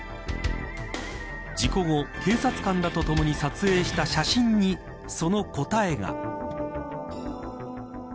事故後、警察官らとともに撮影した写真にその答えが。